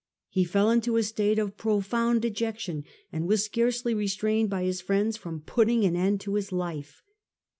He fell into a state of profound dejection, and was scarcely restrained by his friends from putting an end to his life.